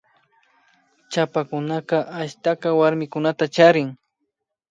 Chapakunaka ashta warmikunata charin